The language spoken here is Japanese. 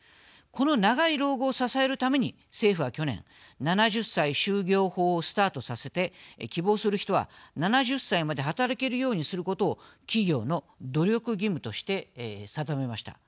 この長い老後を支えるために政府は去年７０歳就業法をスタートさせて希望する人は７０歳まで働けるようにすることを企業の努力義務として定めました。